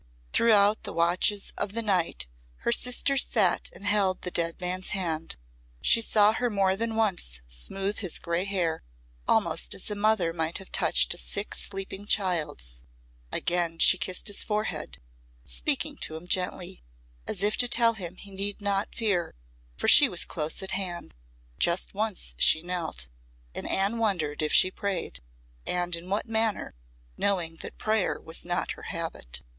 Throughout the watches of the night her sister sat and held the dead man's hand; she saw her more than once smooth his grey hair almost as a mother might have touched a sick sleeping child's; again she kissed his forehead, speaking to him gently, as if to tell him he need not fear, for she was close at hand; just once she knelt, and Anne wondered if she prayed, and in what manner, knowing that prayer was not her habit.